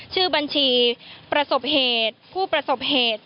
ชื่อบัญชีประสบเหตุผู้ประสบเหตุ